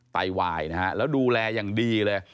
ไตวายนะฮะแล้วดูแลอย่างดีเลย